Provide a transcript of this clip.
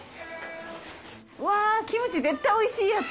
うわぁキムチ絶対美味しいやつ。